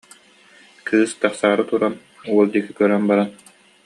Кыыс тахсаары туран, уол диэки көрөн баран: